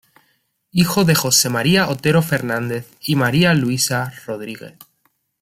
Hijo de Jose María Otero Fernández y María Luisa Rodríguez.